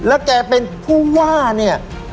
แล้วแกเป็นผู้ว่าเนี่ย